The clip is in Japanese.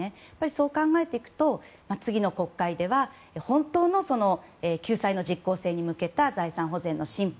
そう考えていくと次の国会では本当の救済の実効性に向けた財産保全の新法